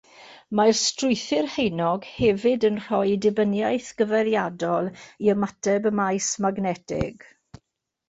Mae'r strwythur haenog hefyd yn rhoi dibyniaeth gyfeiriadol i ymateb y maes magnetig.